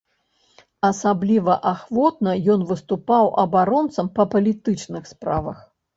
Асабліва ахвотна ён выступаў абаронцам па палітычных справах.